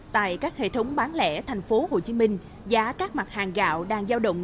tại các hệ thống bán lẻ thành phố hồ chí minh giá các mặt hàng gạo đang giao động